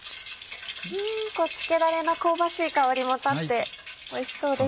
漬けだれの香ばしい香りも立っておいしそうです。